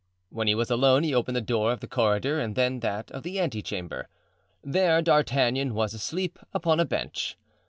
When he was alone he opened the door of the corridor and then that of the ante chamber. There D'Artagnan was asleep upon a bench.